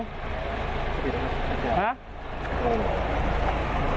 ฮะ